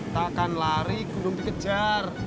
tak akan lari gunung dikejar